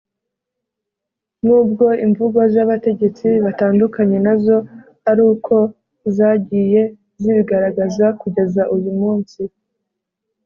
n’ubwo imvugo z’abategetsi batandukanye nazo ari uko zagiye zibigaragaza kugeza uyu munsi